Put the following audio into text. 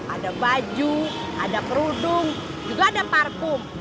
ada baju ada kerudung juga ada parkum